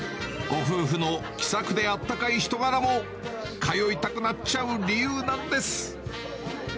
ご夫婦の気さくであったかい人柄も、通いたくなっちゃう理由なんです。